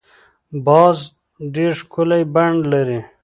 باز ډېر ښکلی بڼ لري